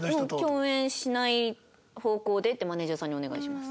「共演しない方向で」ってマネジャーさんにお願いします。